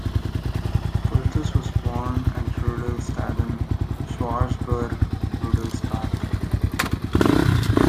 Perthes was born at Rudolstadtin, Schwarzburg-Rudolstadt.